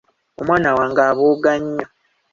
Omwana wange abooga nnyo.